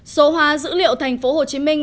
số hòa dữ liệu tp hcm là bài viết rất đáng